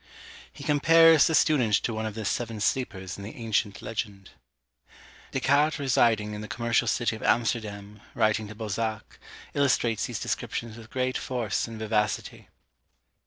He compares the student to one of the seven sleepers in the ancient legend. Descartes residing in the commercial city of Amsterdam, writing to Balzac, illustrates these descriptions with great force and vivacity.